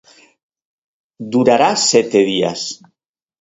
Durará sete días.